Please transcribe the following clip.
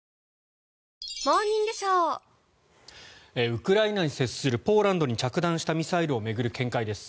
ウクライナに接するポーランドに着弾したミサイルを巡る見解です。